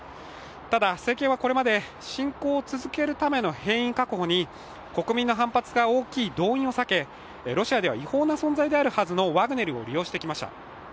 ただ政権はこれまで侵攻を続けるための兵員確保に国民の反発が大きい動員を避け、ロシアでは違法な存在であるはずのワグネルを利用してきました。